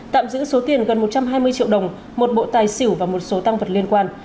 tạm giữ số tiền gần một trăm hai mươi triệu đồng một bộ tài xỉu và một số tăng vật liên quan